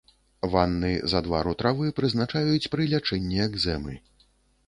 Ванны з адвару травы прызначаюць пры лячэнні экзэмы.